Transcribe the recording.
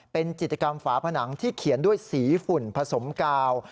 เป็นจิตกรรมฝาผนังที่เขียนด้วยสีฝุ่นผสมกาว